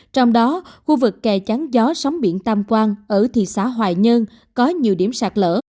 trong đó khu vực kè chắn gió sóng biển tam quan ở thị xã hoài nhơn có nhiều điểm sạt lở